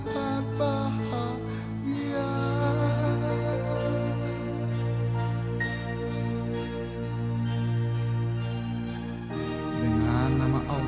dan menurut snake manjimu itu adalah keseruan di al neste harian